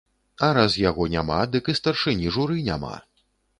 А раз яго няма, дык і старшыні журы няма.